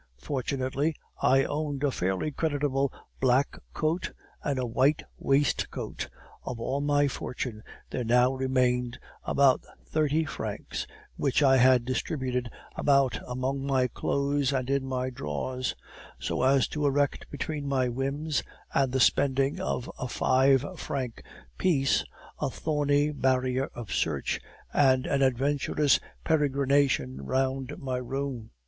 Fortunately, I owned a fairly creditable black coat and a white waistcoat; of all my fortune there now remained abut thirty francs, which I had distributed about among my clothes and in my drawers, so as to erect between my whims and the spending of a five franc piece a thorny barrier of search, and an adventurous peregrination round my room.